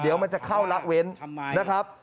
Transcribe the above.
เดี๋ยวมันจะเข้าละเว้นนะครับ